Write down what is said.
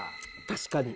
確かに。